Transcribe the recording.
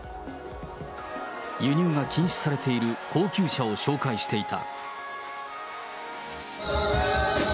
輸入が禁止されている高級車を紹介していた。